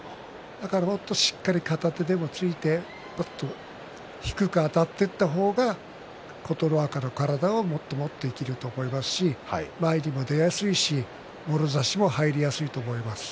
もっとしっかり片手でもついてもっと低くあたっていった方が琴ノ若の体がもっともっと生きると思いますし前にも出やすいしもろ差しも入りやすいと思います。